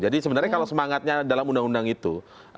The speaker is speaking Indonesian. jadi sebenarnya kalau semangatnya dalam undang undang itu